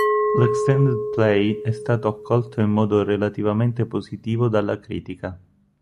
L'extended play è stato accolto in modo relativamente positivo dalla critica.